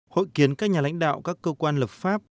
hội kiến các nhà lãnh đạo các cơ quan lập pháp